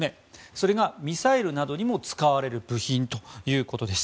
それがミサイルなどにも使われる部品ということです。